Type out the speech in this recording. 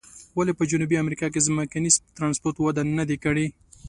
ولې په جنوبي امریکا کې ځمکني ترانسپورت وده نه ده کړې؟